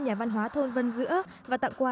nhà văn hóa thôn vân dữa và tặng quà